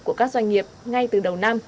của các doanh nghiệp ngay từ đầu năm